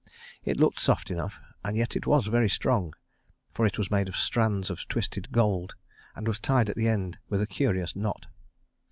It looked soft enough, and yet it was very strong; for it was made of strands of twisted gold and was tied at the end with a curious knot.